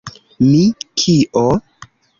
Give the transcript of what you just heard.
Mi... kio?